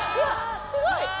すごい！